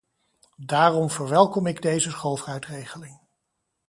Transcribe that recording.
Daarom verwelkom ik deze schoolfruitregeling.